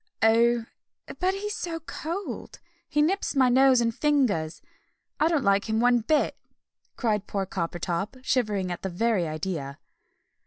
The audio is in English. "Oh, but he's so cold! He nips my nose and fingers. I don't like him one bit!" cried poor Coppertop, shivering at the very idea.